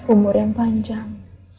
umur yang panjang